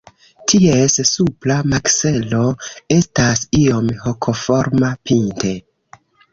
Ties supra makzelo estas iom hokoforma pinte.